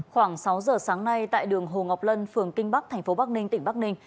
khoảng sáu giờ sáng nay tại đường hồ ngọc lân phường kinh bắc thành phố bắc ninh tỉnh bắc ninh